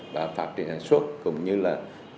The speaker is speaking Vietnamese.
và phát triển sản xuất cũng như là